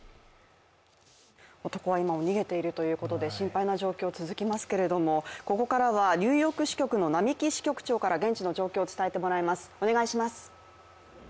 男は今も逃げているということで心配な状況が続きますけれども、ここからはニューヨーク支局の並木支局長から現地の状況を伝えてもらいます。